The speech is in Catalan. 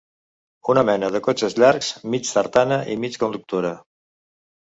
Una mena de cotxes llargs, mig tartana i mig conductora